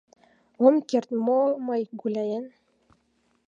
Ом керт мо мый гуляен?